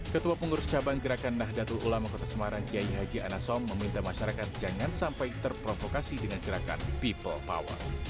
ketua pengurus cabang gerakan nahdlatul ulama kota semarang kiai haji anassom meminta masyarakat jangan sampai terprovokasi dengan gerakan people power